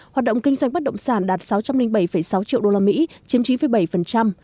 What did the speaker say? hoạt động kinh doanh bất động sản đạt sáu trăm linh bảy sáu triệu usd chiếm chín bảy